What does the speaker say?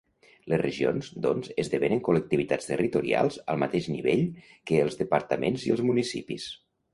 Les regions, doncs, esdevenen col·lectivitats territorials al mateix nivell que els departaments i els municipis.